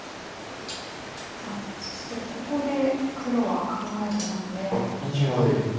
さあそしてここで黒は考えていますね。